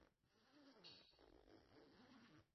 华南谷精草为谷精草科谷精草属下的一个种。